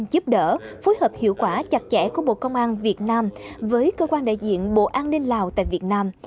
giúp đỡ phối hợp hiệu quả chặt chẽ của bộ công an việt nam với cơ quan đại diện bộ an ninh lào tại việt nam